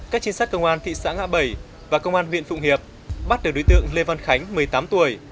công an thị xã ngã bảy và công an huyện phụng hiệp bắt được đối tượng lê văn khánh một mươi tám tuổi